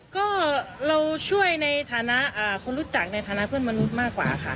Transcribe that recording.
ก็เราช่วยในฐานะคนรู้จักในฐานะเพื่อนมนุษย์มากกว่าค่ะ